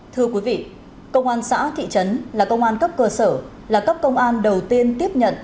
thưa quý vị công an xã thị trấn là công an cấp cơ sở là cấp công an đầu tiên tiếp nhận